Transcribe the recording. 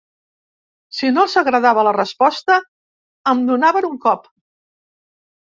Si no els agradava la resposta, em donaven un cop.